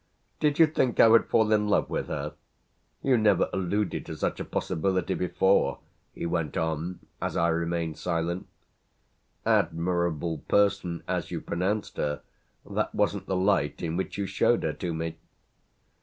"Did you think I would fall in love with her? You never alluded to such a possibility before," he went on as I remained silent. "Admirable person as you pronounced her, that wasn't the light in which you showed her to me."